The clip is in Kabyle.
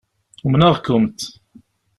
Umneɣ-kent.